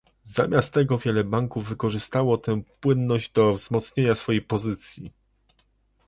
Zamiast tego wiele banków wykorzystało tę płynność do wzmocnienia swojej pozycji